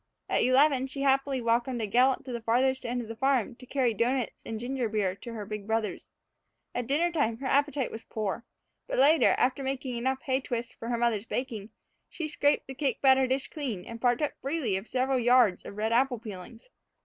At eleven she happily welcomed a gallop to the farthest end of the farm to carry doughnuts and ginger beer to the big brothers. At dinner time her appetite was again poor, but later, after making enough hay twists for her mother's baking, she scraped the cake batter dish clean and partook freely of several yards of red apple peelings.